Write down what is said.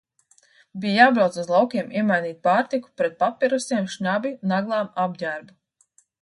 Bija jābrauc uz laukiem iemainīt pārtiku pret papirosiem, šņabi, naglām, apģērbu.